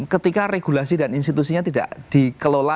ketika regulasi dan institusinya tidak dikelola